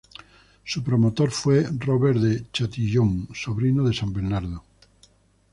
Su promotor fue Robert de Châtillon, sobrino de san Bernardo.